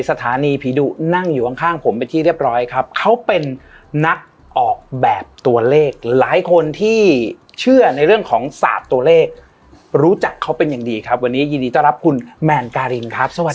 สถานีผีดุนั่งอยู่ข้างข้างผมเป็นที่เรียบร้อยครับเขาเป็นนักออกแบบตัวเลขหลายคนที่เชื่อในเรื่องของศาสตร์ตัวเลขรู้จักเขาเป็นอย่างดีครับวันนี้ยินดีต้อนรับคุณแมนการินครับสวัสดี